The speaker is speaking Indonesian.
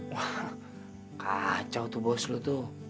wah kacau tuh bos lu tuh